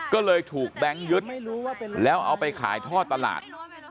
ก็เลยถูกแบงค์ยึดแล้วเอาไปขายท่อตลาด